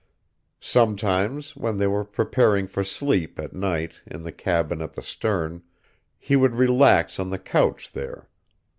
Sometimes, when they were preparing for sleep, at night, in the cabin at the stern, he would relax on the couch there.